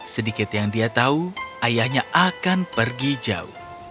sedikit yang dia tahu ayahnya akan pergi jauh